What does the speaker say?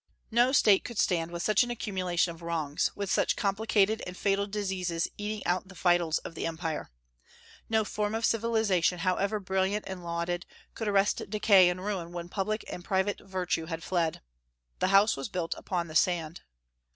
No State could stand with such an accumulation of wrongs, with such complicated and fatal diseases eating out the vitals of the empire. No form of civilization, however brilliant and lauded, could arrest decay and ruin when public and private virtue had fled. The house was built upon the sand.